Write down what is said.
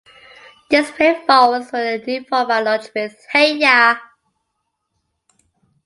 This proved false when the new format launched with Hey Ya!